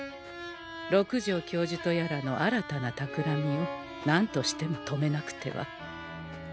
六条教授とやらの新たなたくらみをなんとしても止めなくては。